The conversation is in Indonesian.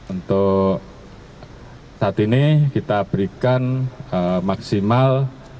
untuk saat ini kita berikan maksimal